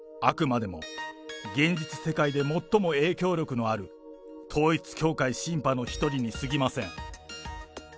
あくまでも現実世界で最も影響力のある統一教会シンパの一人にすぎません。